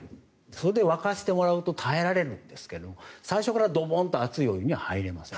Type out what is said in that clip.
それで沸かしてもらうと耐えられるんですが最初からドボンと熱いお湯には入れません。